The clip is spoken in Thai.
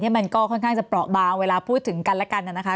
มันก็ค่อนข้างจะเปราะบางเวลาพูดถึงกันและกันนะคะ